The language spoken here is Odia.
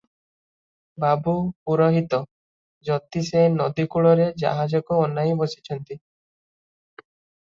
ବାବୁ, ପୁରୋହିତ, ଜ୍ୟୋତିଷେ ନଦୀକୂଳରେ ଜାହାଜକୁ ଅନାଇ ବସିଛନ୍ତି ।